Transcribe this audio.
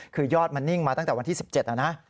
คือยอดมันนิ่งมาตั้งแต่วันที่๑๗นะ